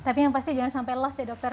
tapi yang pasti jangan sampai lost ya dokter